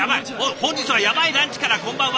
本日はヤバイランチからこんばんは。